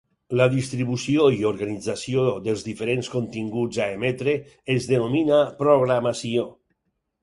La distribució i organització dels diferents continguts a emetre es denomina programació.